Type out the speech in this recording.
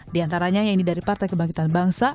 di antaranya yaitu dari partai kebangkitan bangsa